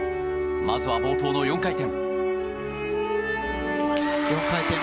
まずは冒頭の４回転。